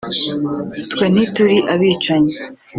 twe ntituli abicanyi